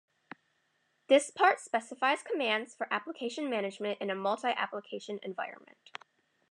This part specifies commands for application management in a multi-application environment.